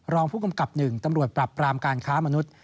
รองผู้กำกับ๑ตำรวจปรับปรามการค้ามนุษย์